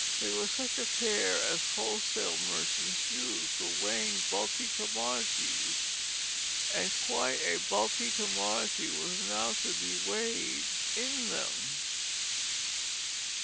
They were such a pair as wholesale merchants use, for weighing bulky commodities; and quite a bulky commodity was now to be weighed in them.